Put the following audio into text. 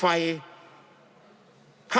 จำนวนเนื้อที่ดินทั้งหมด๑๒๒๐๐๐ไร่